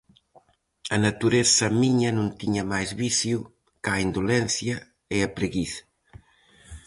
A natureza miña non tiña máis vicio ca a indolencia e a preguiza.